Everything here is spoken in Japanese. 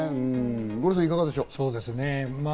五郎さん、いかがでしょう？